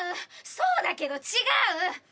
そうだけど違う！